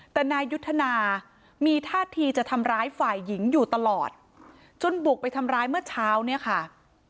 แต่นายยุทธนามีท่าทีจะทำร้ายฝ่ายหญิงอยู่ตลอดจนบุกไปทำร้ายเมื่อเช้าเนี่ยค่ะ